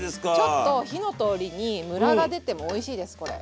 ちょっと火の通りにムラがでてもおいしいですこれ。